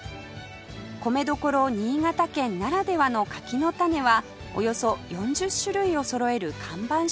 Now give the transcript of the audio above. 米どころ新潟県ならではの柿の種はおよそ４０種類をそろえる看板商品